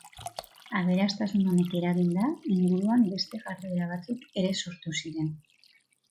Aberastasun honek eraginda, inguruan beste jarduera batzuk ere sortu ziren.